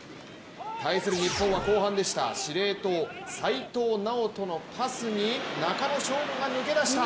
対する日本は後半でした司令塔・齋藤直人のパスに中野将伍が抜け出した。